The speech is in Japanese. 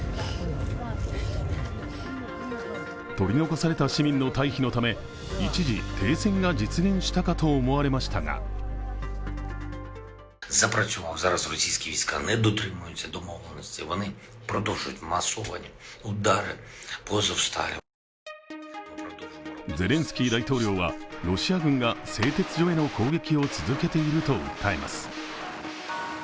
取り残された市民の退避のため、一時、停戦が実現したかと思われましたがゼレンスキー大統領はロシア軍が製鉄所への攻撃を続けていると訴えます。